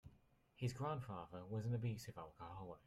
His grandfather was an abusive alcoholic.